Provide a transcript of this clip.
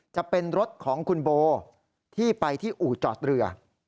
จะเป็นรถของคุณโบที่ไปที่อู่จอดเรือ